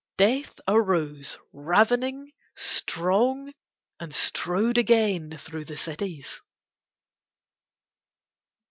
Death arose ravening, strong, and strode again through the cities.